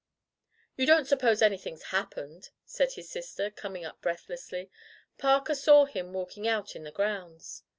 "You don't suppose anything's hap pened?" said his sister, coming up breath lessly. "Parker saw him walking out in the grounds."